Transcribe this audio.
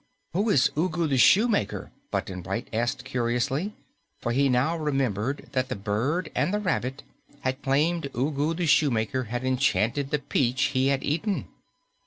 "Who is Ugu the Shoemaker?" Button Bright curiously, for he now remembered that the bird and the rabbit had claimed Ugu the Shoemaker had enchanted the peach he had eaten.